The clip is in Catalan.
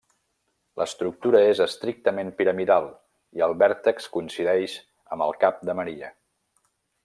L'estructura és estrictament piramidal, i el vèrtex coincideix amb el cap de Maria.